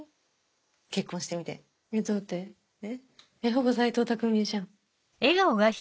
ほぼ斎藤工じゃん。